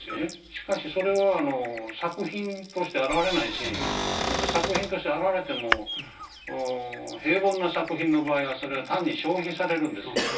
しかしそれは作品として現れないしまた作品として現れても平凡な作品の場合はそれは単に消費されるんですよね。